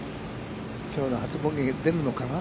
きょうの初ボギーが出るのかな？